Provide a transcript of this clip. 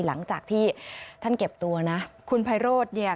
หลังจากที่ท่านเก็บตัวนะคุณไพโรธเนี่ย